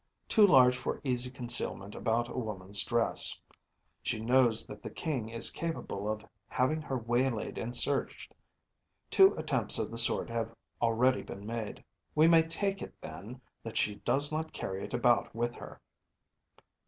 Too large for easy concealment about a woman’s dress. She knows that the King is capable of having her waylaid and searched. Two attempts of the sort have already been made. We may take it, then, that she does not carry it about with her.